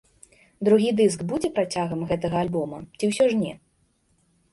Другі дыск будзе працягам гэтага альбома ці ўсё ж не?